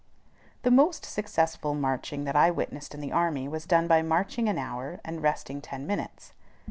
The most successful marching that I witnessed in the army was done by marching an hour, and resting ten minutes.